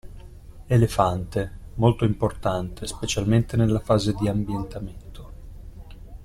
Elefante: molto importante, specialmente nella fase di ambientamento.